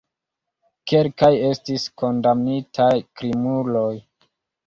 Kelkaj estis kondamnitaj krimuloj.